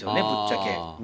ぶっちゃけ。